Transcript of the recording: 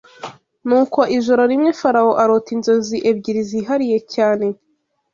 Nuko ijoro rimwe Farawo arota inzozi ebyiri zihariye cyane